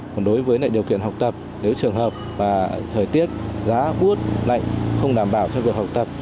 còn đối với lại điều kiện học tập nếu trường hợp và thời tiết giá vút lạnh không đảm bảo cho việc học tập